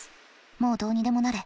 もうどうにでもなれ。